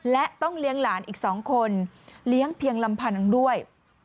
และต้องเลี้ยงหลานอีก๒คนเลี้ยงเพียงลำพังด้วย